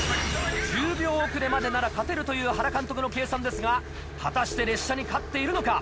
１０秒遅れまでなら勝てるという原監督の計算ですが果たして列車に勝っているのか？